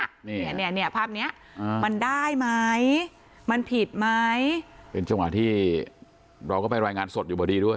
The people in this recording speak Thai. เนี้ยเนี้ยเนี้ยภาพเนี้ยมันได้ไหมมันผิดไหมเป็นเวลาที่เราก็ไปรายงานสดอยู่บ่ดีด้วย